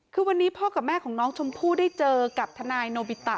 คือวันนี้พ่อกับแม่ของน้องชมพู่ได้เจอกับทนายโนบิตะ